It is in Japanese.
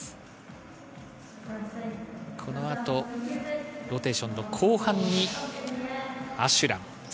このあとローテーションの後半にアシュラム。